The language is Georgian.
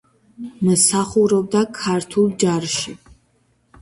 მსახურობდა ქართულ ჯარში.